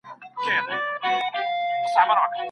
دا د جمهورو فقهاوو رايه ده.